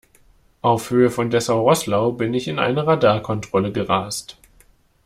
Auf Höhe von Dessau-Roßlau bin ich in eine Radarkontrolle gerast.